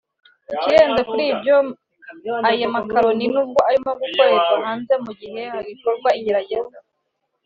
Ikirenze kuri ibyo aya makaroni n’ubwo arimo gukorerwa hanze mu gihe hagikorwa igerageza